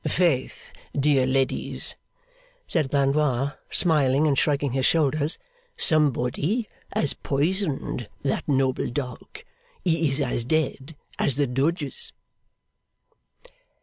'Faith, dear ladies!' said Blandois, smiling and shrugging his shoulders, 'somebody has poisoned that noble dog. He is as dead as the Doges!